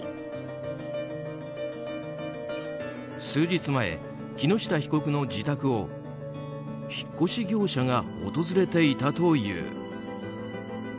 数日前、木下被告の自宅を引っ越し業者が訪れていたという。